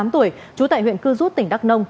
ba mươi tám tuổi chú tại huyện cư rút tỉnh đắk nông